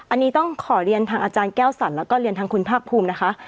อันนี้ต้องขอเรียนทางอาจารย์แก้วสรรแล้วก็เรียนทางคุณภาคภูมินะคะ